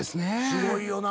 すごいよな。